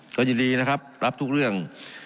ก็ยินดีนะครับรับทุกเรื่อง